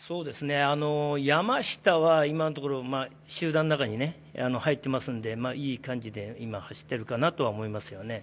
山下は今のところ、集団の中に入っていますのでいい感じで走っているかなとは思いますよね。